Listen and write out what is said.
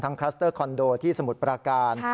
คลัสเตอร์คอนโดที่สมุทรปราการ